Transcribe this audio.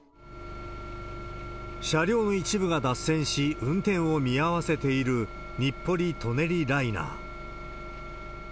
車両の一部が脱線し、運転を見合わせている、日暮里・舎人ライナー。